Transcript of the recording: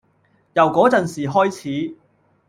由嗰陣時開始